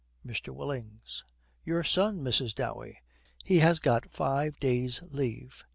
MR. WILLINGS. 'Your son, Mrs. Dowey he has got five days' leave.'